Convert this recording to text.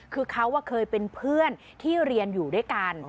คือเขาเคยเป็นเพื่อนที่เรียนอยู่ด้วยกัน